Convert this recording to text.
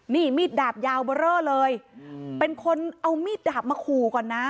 นี่มีดดาบยาวเบอร์เรอเลยเป็นคนเอามีดดาบมาขู่ก่อนนะ